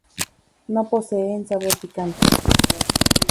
No poseen sabor picante.